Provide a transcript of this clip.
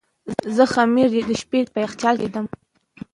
زه خمیر د شپې په یخچال کې ږدم.